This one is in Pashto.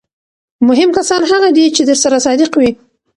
مهم کسان هغه دي چې درسره صادق وي.